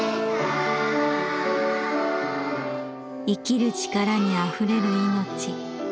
生きる力にあふれる命。